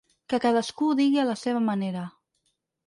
Que cadascú ho digui a la seva manera.